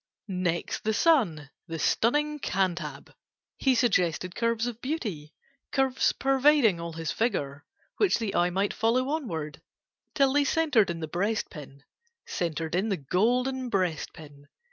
[Picture: Next the Son, the Stunning Cantab] Next the Son, the Stunning Cantab: He suggested curves of beauty, Curves pervading all his figure, Which the eye might follow onward, Till they centered in the breast pin, Centered in the golden breast pin.